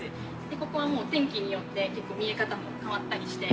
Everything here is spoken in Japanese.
ここはもう天気によって結構見え方も変わったりして。